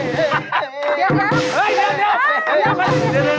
เดี๋ยว